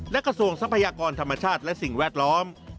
และกระทรวงทรัพยากรธรรมชาติและสิ่งแวดล้อม